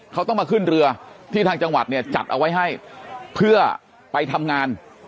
เขาต้องมาขึ้นเรือที่ทางจังหวัดเนี่ยจัดเอาไว้ให้เพื่อไปทำงาน